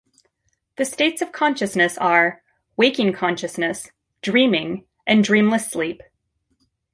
The states of consciousness are: waking consciousness, dreaming, and dreamless sleep.